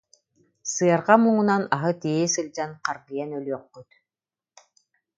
Сыарҕа муҥунан аһы тиэйэ сылдьан харгыйан өлүөххүт